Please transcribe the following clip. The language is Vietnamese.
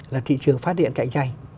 là thị trường phát điện cạnh tranh